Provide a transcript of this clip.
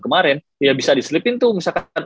kemarin ya bisa diselipin tuh misalkan